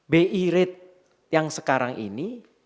bi rate yang sekarang ini